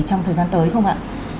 trong thời gian tới không ạ